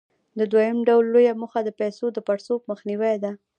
د دویم ډول لویه موخه د پیسو د پړسوب مخنیوى دی.